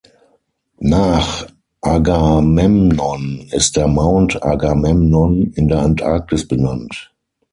Nach Agamemnon ist der Mount Agamemnon in der Antarktis benannt.